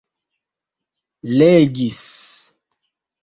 legis